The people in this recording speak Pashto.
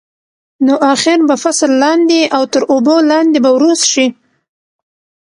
نو اخر به فصل لاندې او تر اوبو لاندې به وروست شي.